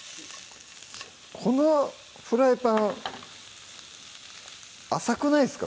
このフライパン浅くないっすか？